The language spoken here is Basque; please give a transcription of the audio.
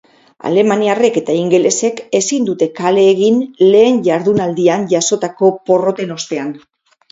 Alemaniarrek eta ingelesek ezin dute kale egin lehen jardunaldian jasotako porroten ostean.